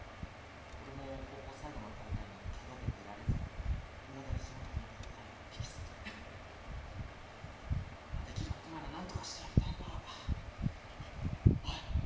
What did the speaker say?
俺も高校最後の大会にけがで出られずいまだにその時の後悔を引きずってるまぁできることならなんとかしてやりたいがおい